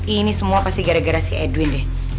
ini semua pasti gara gara si edwin deh